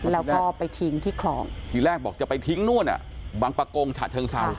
แล้วก็ไปทิ้งที่คลองทีแรกบอกจะไปทิ้งนู่นอ่ะบางประกงฉะเชิงเซา